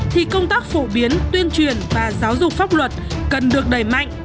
thì công tác phổ biến tuyên truyền và giáo dục pháp luật cần được đẩy mạnh